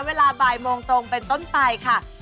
เวลาบ่ายโมงตรงเป็นต้นไปค่ะ